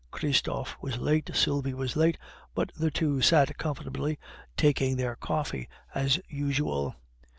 Christophe was late, Sylvie was late, but the two sat comfortably taking their coffee as usual.